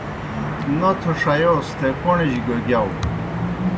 نوتھوْ ݜیوس تھے کوݨِنجیْ گہ گِیاؤ